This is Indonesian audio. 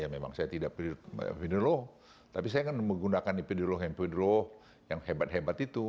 ya memang saya tidak ep dulu tapi saya kan menggunakan ep dulu yang hebat hebat itu